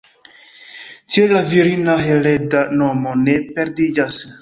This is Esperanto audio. Tiel la virina hereda nomo ne perdiĝas.